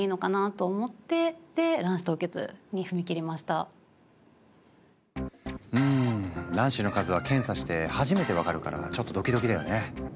あとん卵子の数は検査して初めて分かるからちょっとドキドキだよね。